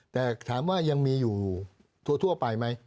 แต่ถามว่ายังมีอยู่ทั่วไปไหม